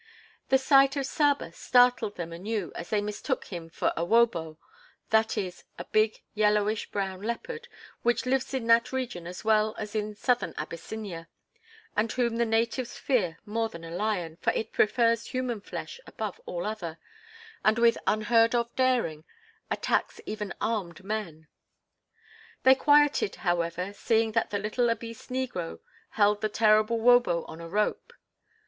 The sight of Saba startled them anew as they mistook him for a "wobo," that is, a big, yellowish brown leopard, which lives in that region as well as in Southern Abyssinia, and whom the natives fear more than a lion, for it prefers human flesh above all other, and with unheard of daring attacks even armed men. They quieted, however, seeing that the little obese negro held the terrible "wobo" on a rope.